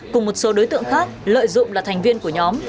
cùng một số đối tượng khác lợi dụng là thành viên của nhóm